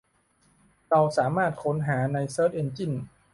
เราสามารถค้นหาในเสิร์ชเอ็นจิ้น